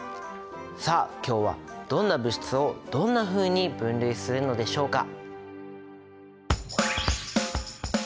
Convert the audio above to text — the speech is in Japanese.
さあ今日はどんな物質をどんなふうに分類するのでしょうか？